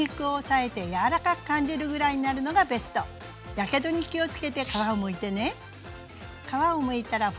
やけどに気を付けて皮をむいてね。